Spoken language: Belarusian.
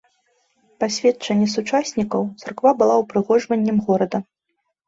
Па сведчанні сучаснікаў, царква была упрыгожваннем горада.